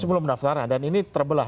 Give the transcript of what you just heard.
sebelum mendaftaran dan ini terbelah